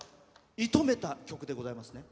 射止めた曲でございますね。